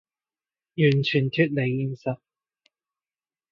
完全脫離現實